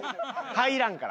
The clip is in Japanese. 入らんから。